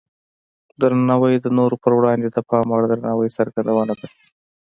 درناوی د نورو په وړاندې د پام وړ درناوي څرګندونه ده.